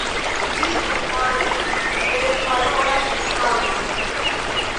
Ĝi enhavis tre valoran enhavon.